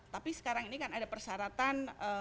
tapi sekarang ini kan ada persyaratan